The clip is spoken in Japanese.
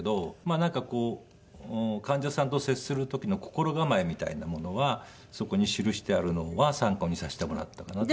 なんか患者さんと接する時の心構えみたいなものはそこに記してあるのは参考にさせてもらったかなと。